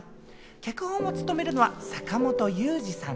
脚本を務めるのは坂元裕二さん。